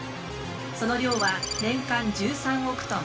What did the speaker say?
その量は年間１３億トン。